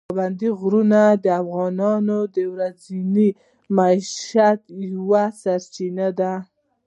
پابندي غرونه د افغانانو د ورځني معیشت یوه سرچینه ده.